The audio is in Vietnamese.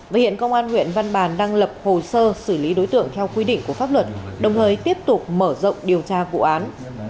và hiện công an huyện văn bàn đang lập hồ sơ xử lý đối tượng theo quy định của pháp luật đồng thời tiếp tục mở rộng điều tra vụ án